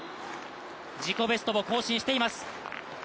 自己ベストも更新しています。